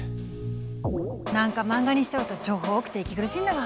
なんか漫画にしちゃうと情報多くて息苦しいんだわ。